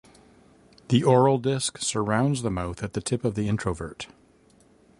The oral disc surrounds the mouth at the tip of the introvert.